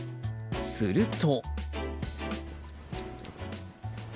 すると。